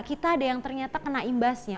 kita ada yang ternyata kena imbasnya